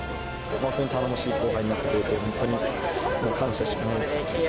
本当に頼もしい後輩になってくれて、本当に感謝しかないですね。